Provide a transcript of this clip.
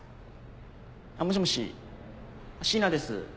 もしもし椎名です。